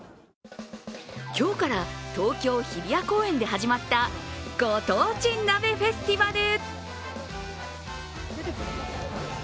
今日から東京・日比谷公園で始まったご当地鍋フェスティバル。